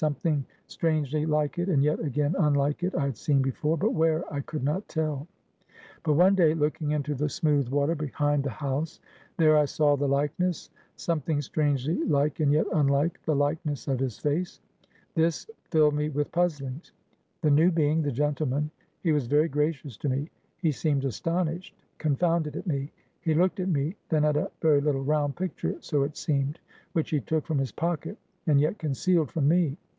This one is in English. Something strangely like it, and yet again unlike it, I had seen before, but where, I could not tell. But one day, looking into the smooth water behind the house, there I saw the likeness something strangely like, and yet unlike, the likeness of his face. This filled me with puzzlings. The new being, the gentleman, he was very gracious to me; he seemed astonished, confounded at me; he looked at me, then at a very little, round picture so it seemed which he took from his pocket, and yet concealed from me.